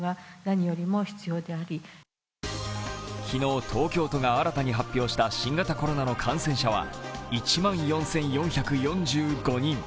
昨日、東京都が新たに発表した新型コロナの感染者は１万４４４５人。